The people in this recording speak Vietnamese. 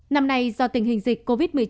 năm nay do tình hình dịch covid một mươi chín